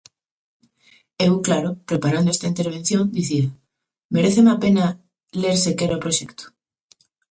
Eu, claro, preparando esta intervención, dicía: ¿meréceme a pena ler sequera o proxecto?